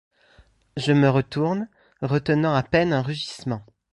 Je me retourne, retenant à peine un rugissement.